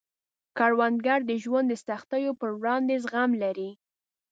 کروندګر د ژوند د سختیو په وړاندې زغم لري